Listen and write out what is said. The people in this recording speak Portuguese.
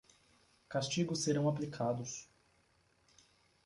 Castigos serão aplicados